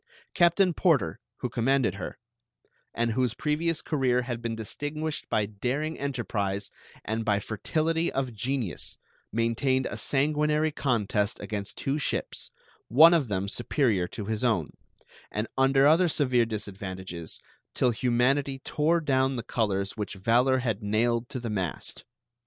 Captain Porter, who commanded her, and whose previous career had been distinguished by daring enterprise and by fertility of genius, maintained a sanguinary contest against two ships, one of them superior to his own, and under other severe disadvantages, 'til humanity tore down the colors which valor had nailed to the mast.